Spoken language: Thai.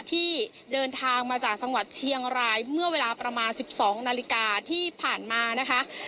ที่เดินทางมาจากจังหวัดเชียงรายเมื่อเวลาประมาณ๑๒นาฬิกาที่ผ่านมานะคะ